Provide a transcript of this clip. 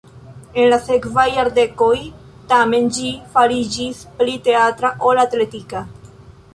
En la sekvaj jardekoj, tamen, ĝi fariĝis pli teatra ol atletika.